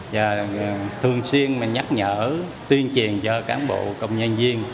và thường xuyên nhắc nhở tuyên truyền cho cán bộ công nhân viên